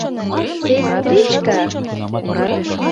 Сестричка!